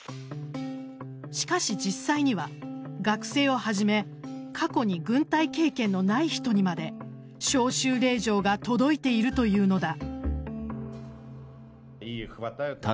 しかし、実際には学生をはじめ過去に軍隊経験のない人にまで招集令状が届いているというのだ。